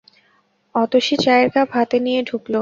অতসী চায়ের কাপ হাতে নিয়ে ঢুকল।